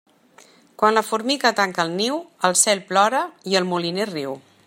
Quan la formiga tanca el niu, el cel plora i el moliner riu.